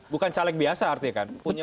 bukan caleg biasa artinya kan